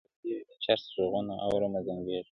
له لیري د جرس ږغونه اورمه زنګېږم-